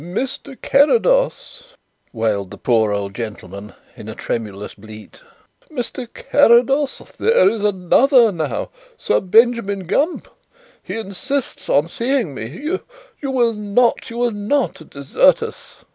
"Mr. Carrados," wailed the poor old gentleman in a tremulous bleat, "Mr. Carrados, there is another now Sir Benjamin Gump. He insists on seeing me. You will not you will not desert us?"